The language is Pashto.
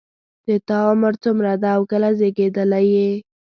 د تا عمر څومره ده او کله زیږیدلی یې